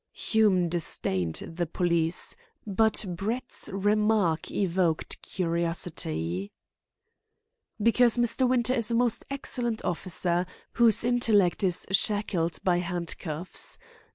Hume disdained the police, but Brett's remark evoked curiosity. "Because Mr. Winter is a most excellent officer, whose intellect is shackled by handcuffs.